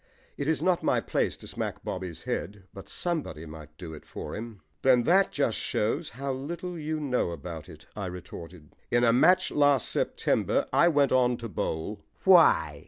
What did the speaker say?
It is not my place to smack Bobby's head, but somebody might do it for him. "Then that just shows how little you know about it," I retorted. "In a match last September I went on to bowl " "Why?"